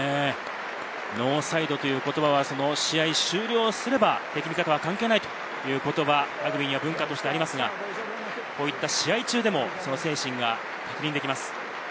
ノーサイドという言葉は試合終了すれば、敵味方関係ないという言葉、ラグビーには文化としてありますが、試合中でも、その精神が確認できます。